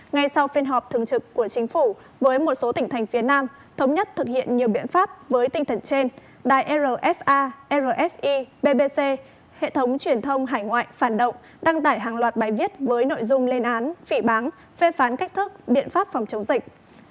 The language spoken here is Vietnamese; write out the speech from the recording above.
ngay sau phiên họp thường trực của chính phủ với một số tỉnh thành phía nam thống nhất thực hiện nhiều biện pháp với tinh thần trên đài rfa rfi bbc hệ thống truyền thông hải ngoại phản động đăng tải hàng loạt bài viết với nội dung lên án phỉ bán phê phán cách thức biện pháp phòng chống dịch